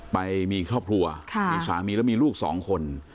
ไปมีครอบครัวมีสามีแล้วมีลูกสองคน